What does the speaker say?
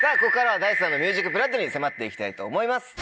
Ｄａ−ｉＣＥさんのＭＵＳＩＣＢＬＯＯＤに迫って行きたいと思います。